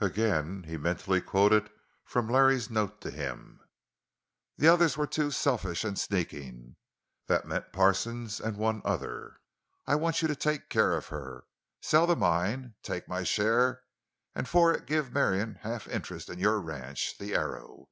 Again he mentally quoted from Larry's note to him: The others were too selfish and sneaking. (That meant Parsons—and one other.) Squint, I want you to take care of her.... Sell—the mine—take my share and for it give Marion a half interest in your ranch, the Arrow.